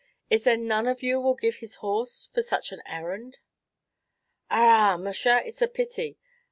"Is there none of you will give his horse for such an errand?" "Arrah, musha! it's a pity!"